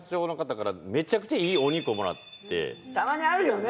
たまにあるよね！